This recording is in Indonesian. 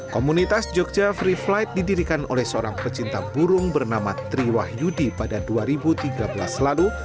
komunitas jogja free flight didirikan oleh seorang pecinta burung bernama triwah yudi pada dua ribu tiga belas lalu